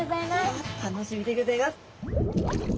楽しみでギョざいます。